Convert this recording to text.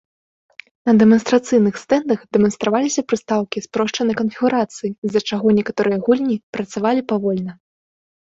На дэманстрацыйных стэндах дэманстраваліся прыстаўкі з спрошчанай канфігурацыі, з-за чаго некаторыя гульні працавалі павольна.